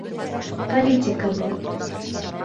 Политика был.